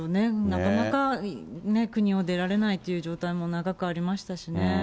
なかなか国を出られないという状態も長くありましたし。